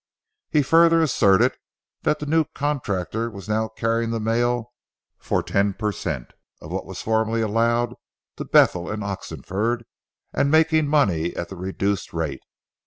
He further asserted that the new contractor was now carrying the mail for ten per cent, of what was formerly allowed to Bethel & Oxenford, and making money at the reduced rate.